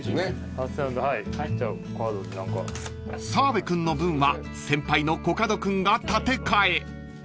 ［澤部君の分は先輩のコカド君が立て替え］